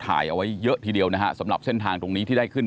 ถ่ายเอาไว้เยอะทีเดียวนะฮะสำหรับเส้นทางตรงนี้ที่ได้ขึ้น